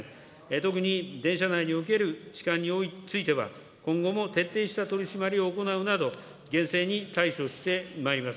特に電車内における痴漢については、今後も徹底した取り締まりを行うなど、厳正に対処してまいります。